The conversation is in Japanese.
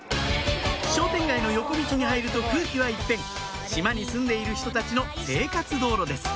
商店街の横道に入ると空気は一変島に住んでいる人たちの生活道路です